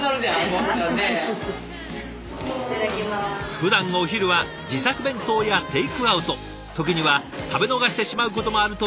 ふだんお昼は自作弁当やテイクアウト時には食べ逃してしまうこともあるという皆さん。